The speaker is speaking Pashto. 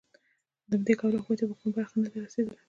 له همدې کبله هغوی ته کومه برخه نه ده رسېدلې